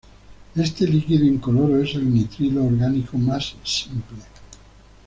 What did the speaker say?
Este líquido incoloro es el nitrilo orgánico más simple.